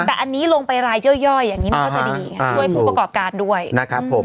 แต่อันนี้ลงไปลายย่อยนั่นก็จะดีช่วยผู้ประกอบการด้วย